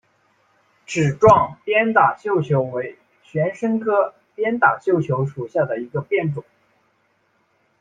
齿状鞭打绣球为玄参科鞭打绣球属下的一个变种。